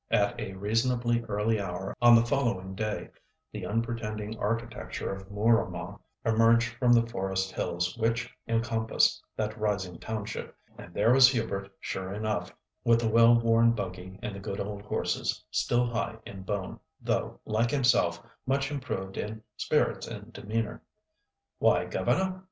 At a reasonably early hour on the following day the unpretending architecture of Mooramah emerged from the forest hills which encompass that rising township, and there was Hubert sure enough, with the well worn buggy and the good old horses, still high in bone, though, like himself, much improved in spirits and demeanour. "Why, governor!"